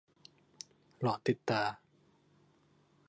หลอนติดตา